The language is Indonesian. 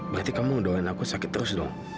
berarti kamu doain aku sakit terus dong